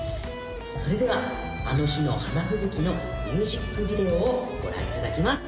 それでは「あの日の花吹雪」のミュージックビデオをご覧いただきます